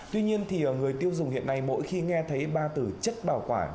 tuy nhiên thì người tiêu dùng hiện nay mỗi khi nghe thấy ba từ chất bảo quản